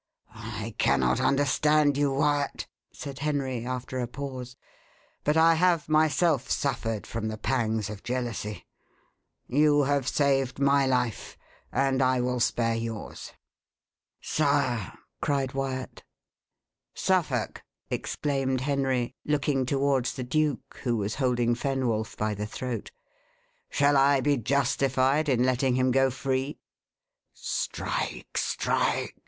"I cannot understand you, Wyat," said Henry, after a pause; "but I have myself suffered from the pangs of jealousy. You have saved my life, and I will spare yours." "Sire!" cried Wyat. "Suffolk," exclaimed Henry, looking towards the duke, who was holding Fenwolf by the throat, "shall I be justified in letting him go free? "Strike! strike!"